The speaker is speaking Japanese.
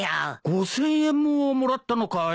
５，０００円ももらったのかい？